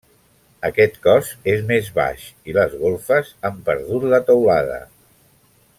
Aquest cos és més baix i les golfes han perdut la teulada.